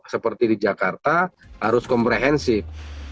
seperti di jakarta harus komprehensif